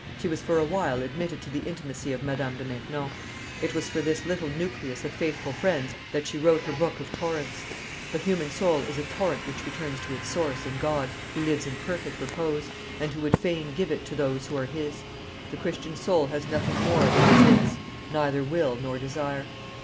She was for a while admitted to the intimacy of Madame de Maintenon. It was for this little nucleus of faithful friends that she wrote her book of Torrents. The human soul is a torrent which returns to its source, in God, who lives in perfect repose, and who would fain give it to those who are His. The Christian soul has nothing more that is its, neither will nor desire.